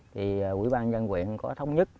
thì quỹ ban dân quyện có thống nhất